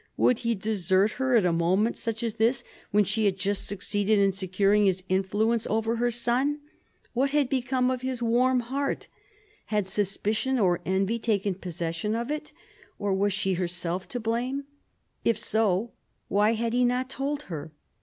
Would he desert her at a moment such as this, when she had just succeeded in securing his influence over her son ? What had become of his warm heart % had suspicion or envy taken possession of it % or was she herself to blame ? If so, why had he not told her?